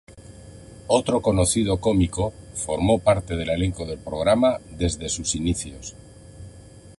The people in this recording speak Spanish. Otro conocido cómico, formó parte del elenco del programa desde sus inicios.